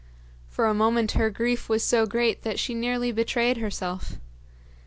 For a moment her grief was so great that she nearly betrayed herself.